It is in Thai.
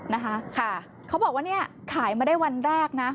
นะคะค่ะเขาบอกว่าเนี่ยขายมาได้วันแรกนะ